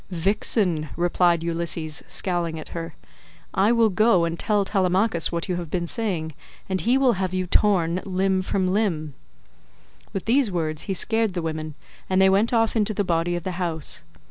"Vixen," replied Ulysses, scowling at her, "I will go and tell Telemachus what you have been saying, and he will have you torn limb from limb." With these words he scared the women, and they went off into the body of the house.